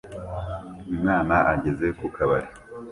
Umwana ageze ku kabari